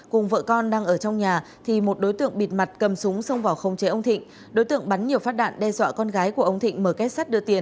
cùng vợ con đang ở trong nhà thì một đối tượng bịt mặt cầm súng xông vào khống chế ông thịnh